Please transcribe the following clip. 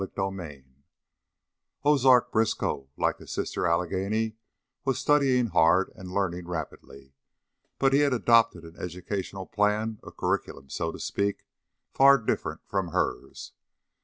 CHAPTER XX Ozark Briskow, like his sister Allegheny, was studying hard and learning rapidly, but he had adopted an educational plan, a curriculum, so to speak, far different from hers.